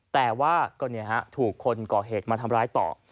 แต่ว่าก็ถูกคนก่อเหตุมาทำร้ายต่อ